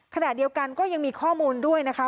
ขณะเดียวกันก็ยังมีข้อมูลด้วยนะคะ